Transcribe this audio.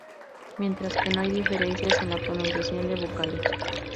Mientras que no hay diferencias en la pronunciación de vocales.